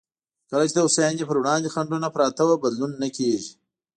کله چې د هوساینې پر وړاندې خنډونه پراته وي، بدلون نه کېږي.